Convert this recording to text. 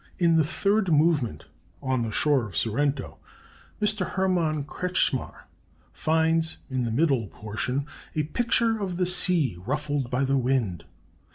In the third movement, "On the Shore of Sorrento," Mr. Hermann Kretzschmar finds (in the middle portion) a picture of the sea ruffled by the wind.